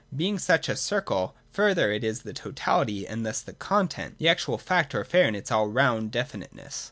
Being such a circle, further, it is the totahty, and thus the content, the actual fact or affair in its all round definiteness.